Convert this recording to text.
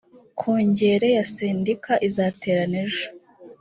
kongere ya sendika izaterana ejo